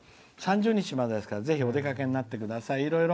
３０日までですからぜひお出かけになさってください。